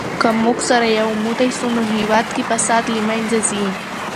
که موږ سره یو موټی سو نو هېواد کې فساد له منځه ځي.